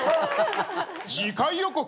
次回予告。